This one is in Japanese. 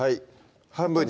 半分に？